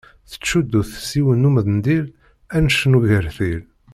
Tettcuddu-t s yiwen n umendil annect n ugertil.